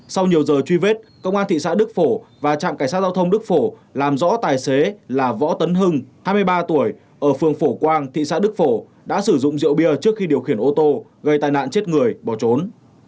sau nhiều giờ truy vết công an thị xã đức phổ và trạm cảnh sát giao thông đức phổ làm rõ tài xế là võ tấn hưng hai mươi ba tuổi ở phường phổ quang thị xã đức phổ đã sử dụng rượu bia trước khi điều khiển ô tô gây tai nạn chết người bỏ trốn